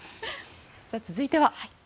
続いては。